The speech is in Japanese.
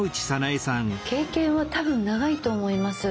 経験は多分長いと思います。